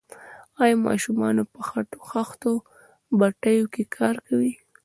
آیا ماشومان په خښتو بټیو کې کار کوي؟